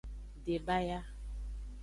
Debaya.